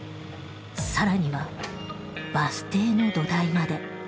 さらにはバス停の土台まで。